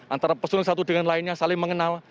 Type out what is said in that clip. antara pesulung satu dengan lainnya saling mengenal